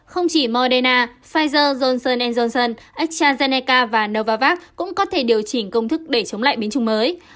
không chỉ moderna pfizer johnson johnson estrazeneca và novavax cũng có thể điều chỉnh công thức để chống lại biến chứng mới